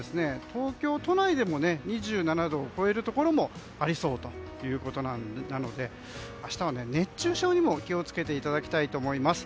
東京都内でも２７度を超えるところもありそうということなので明日は熱中症にも気を付けていただきたいと思います。